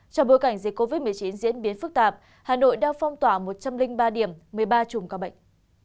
trong bối cảnh dịch covid một mươi chín diễn biến phức tạp hà nội đang phong tỏa một trăm linh ba điểm một mươi ba chùm ca bệnh